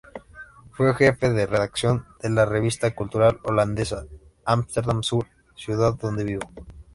Fue Jefe de Redacción de la revista cultural holandesa Amsterdam Sur, ciudad donde vivió.